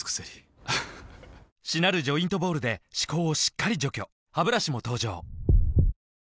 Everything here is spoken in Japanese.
りしなるジョイントボールで歯垢をしっかり除去ハブラシも登場